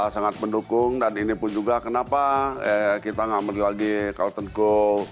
sangat mendukung dan ini pun juga kenapa kita ngamur lagi kaltun kul